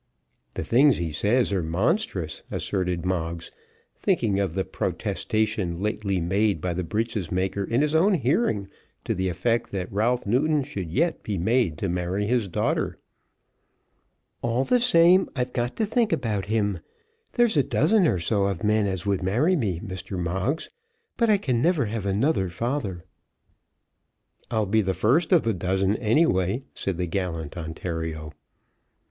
"The things he says are monstrous," asserted Moggs, thinking of the protestation lately made by the breeches maker in his own hearing, to the effect that Ralph Newton should yet be made to marry his daughter. "All the same I've got to think about him. There's a dozen or so of men as would marry me, Mr. Moggs; but I can never have another father." "I'll be the first of the dozen any way," said the gallant Ontario.